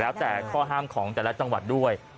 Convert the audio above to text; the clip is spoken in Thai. แล้วแต่ข้อห้ามของแต่ละจังหวัดด้วย